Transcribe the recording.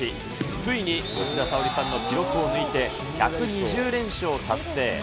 ついに吉田沙保里さんの記録を抜いて、１２０連勝達成。